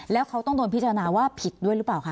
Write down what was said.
แล้วเขาต้องโดนพิจารณาว่าผิดด้วยหรือเปล่าคะ